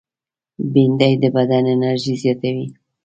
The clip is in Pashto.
بېنډۍ د بدن انرژي زیاتوي